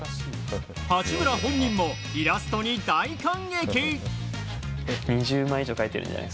八村本人もイラストに大感激。